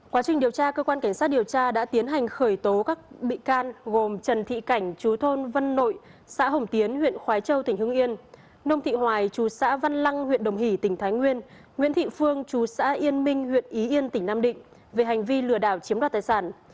quá trình điều tra cơ quan cảnh sát điều tra đã tiến hành khởi tố các bị can gồm trần thị cảnh chú thôn vân nội xã hồng tiến huyện khói châu tỉnh hương yên nông thị hoài chú xã văn lăng huyện đồng hỷ tỉnh thái nguyên nguyễn thị phương chú xã yên minh huyện ý yên tỉnh nam định về hành vi lừa đảo chiếm đoạt tài sản